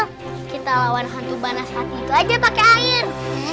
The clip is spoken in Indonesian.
bener bener kita lawan hantu banas itu aja pake air